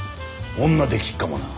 女できっかもな。